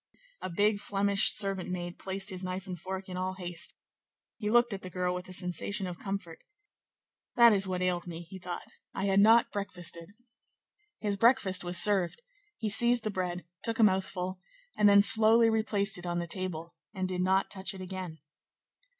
A big Flemish servant maid placed his knife and fork in all haste; he looked at the girl with a sensation of comfort. "That is what ailed me," he thought; "I had not breakfasted." His breakfast was served; he seized the bread, took a mouthful, and then slowly replaced it on the table, and did not touch it again.